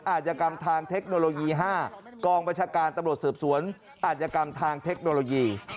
อาจกรรมทางเทคโนโลยี๕กองบัญชาการตำรวจสืบสวนอาจยกรรมทางเทคโนโลยี